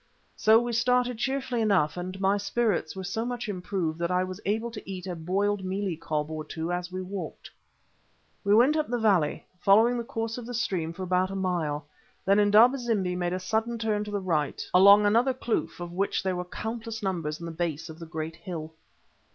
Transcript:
So we started cheerfully enough, and my spirits were so much improved that I was able to eat a boiled mealie cob or two as we walked. We went up the valley, following the course of the stream for about a mile; then Indaba zimbi made a sudden turn to the right, along another kloof, of which there were countless numbers in the base of the great hill.